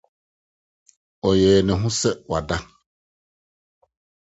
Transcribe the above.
Ɔyɛɛ ne ho sɛ wada.